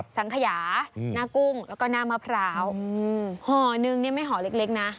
สังขยาอืมหน้ากุ้งแล้วก็หน้ามะผลาวหือหนึ่งเนี้ยไม่หอเล็กเล็กน่ะ